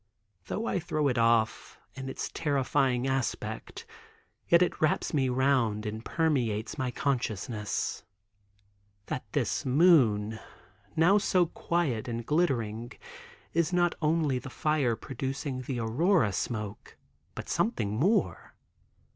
Though I throw it off, in its terrifying aspect, yet it wraps me round and permeates my consciousness. That this moon, now so quiet and glittering, is not only the fire producing the Aurora smoke, but something more.